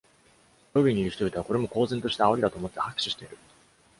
ロビーにいる人々はこれも公然とした煽りだと思って拍手している。